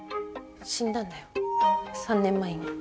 死んだんだよ３年前に。